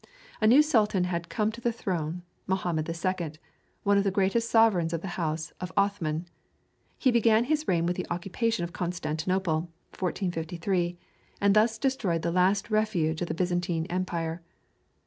A new sultan had come to the throne, Mohammed II., one of the greatest sovereigns of the house of Othman. He began his reign with the occupation of Constantinople (1453), and thus destroyed the last refuge of the Byzantine Empire.